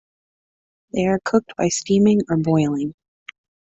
They are cooked by steaming or boiling.